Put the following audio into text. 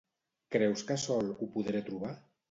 Creus que sol ho podré trobar?